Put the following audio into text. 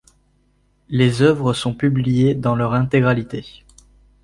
Les œuvres sont publiées dans leur intégralité.